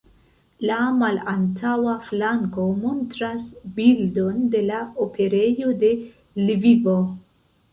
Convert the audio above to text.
La malantaŭa flanko montras bildon de la operejo de Lvivo.